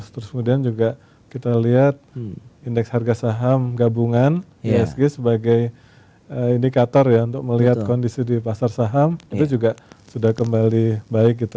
terus kemudian juga kita lihat indeks harga saham gabungan isg sebagai indikator ya untuk melihat kondisi di pasar saham itu juga sudah kembali baik gitu